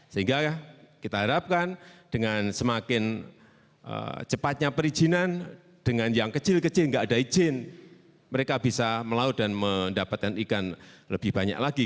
sehingga kita harapkan dengan semakin cepatnya perizinan dengan yang kecil kecil nggak ada izin mereka bisa melaut dan mendapatkan ikan lebih banyak lagi